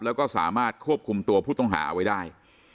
แล้วก็สามารถควบคุมตัวผู้ต้องหาเอาไว้ได้